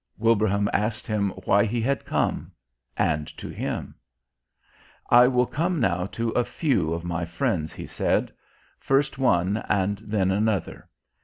Wilbraham asked Him why He had come and to him. "I will come now to a few of My friends," He said. "First one and then another.